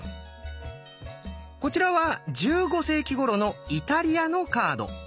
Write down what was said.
こちらは１５世紀ごろのイタリアのカード。